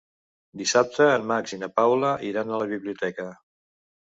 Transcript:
Dissabte en Max i na Paula iran a la biblioteca.